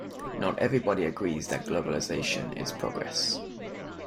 Not everybody agrees that globalisation is progress